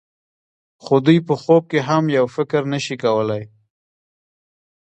خو دوی په خوب کې هم یو فکر نشي کولای.